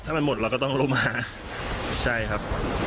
ถ้ามันหมดเราก็ต้องลงมาใช่ครับ